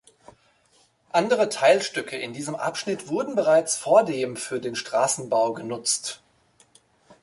Andere Teilstücke in diesem Abschnitt wurden bereits vordem für den Straßenbau genutzt.